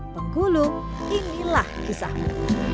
penggulung inilah kisahnya